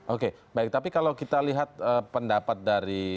oke baik tapi kalau kita lihat pendapat dari